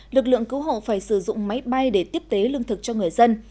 lực lượng cứu hộ phải sử dụng máy bay để tiếp tế lương thực cho người dân